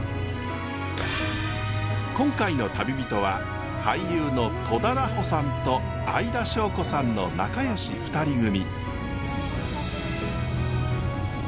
今回の旅人は俳優の戸田菜穂さんと相田翔子さんの仲よし２人組。